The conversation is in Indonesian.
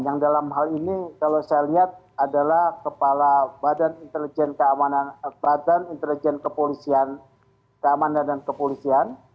yang dalam hal ini kalau saya lihat adalah kepala badan intelijen keamanan dan kepolisian